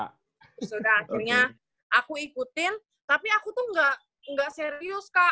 terus sudah akhirnya aku ikutin tapi aku tuh gak serius kak